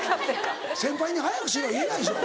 先輩に「早くしろ」は言えないでしょ。